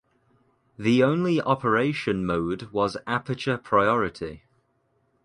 The only operation mode was aperture-priority.